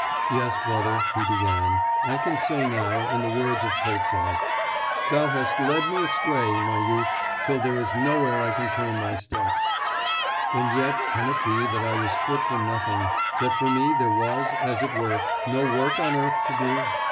'Yes, brother,' he began, 'I can say now, in the words of Koltsov, "Thou hast led me astray, my youth, till there is nowhere I can turn my steps."... And yet can it be that I was fit for nothing, that for me there was, as it were, no work on earth to do?